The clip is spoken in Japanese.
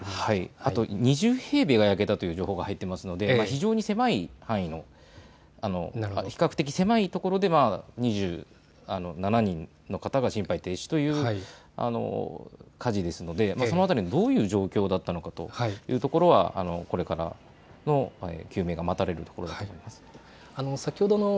あと２０平米が焼けたという情報が入っているので非常に狭い範囲の、比較的狭いところでは、２７人の方が心配停止という火事ですのでその辺りどういう状況だったのかというところはこれから究明が待たれるところかと思います。